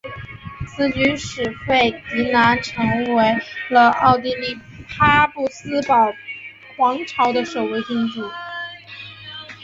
此举使费迪南成为了奥地利哈布斯堡皇朝的首位君主。